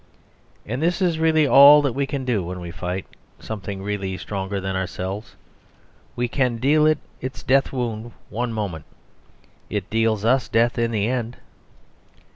And this is really all that we can do when we fight something really stronger than ourselves; we can deal it its death wound one moment; it deals us death in the end.